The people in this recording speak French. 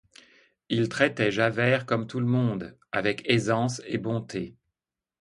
Il traitait Javert comme tout le monde, avec aisance et bonté.